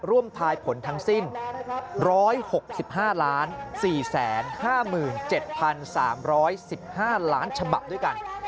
ทายผลทั้งสิ้น๑๖๕๔๕๗๓๑๕ล้านฉบับด้วยกัน